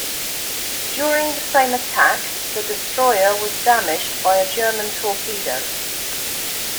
During the same attack, the destroyer was damaged by a German torpedo.